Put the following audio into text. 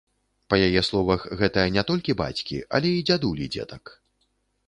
Па яе словах, гэта не толькі бацькі, але і дзядулі дзетак.